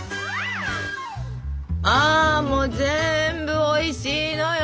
あもう全部おいしいのよ！